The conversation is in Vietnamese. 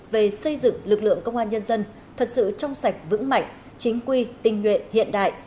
về xây dựng lực lượng công an nhân dân thật sự trong sạch vững mạnh chính quy tình nguyện hiện đại